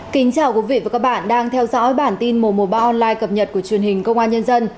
kính chào quý vị và các bạn đang theo dõi bản tin mùa mùa ba online cập nhật của truyền hình công an nhân dân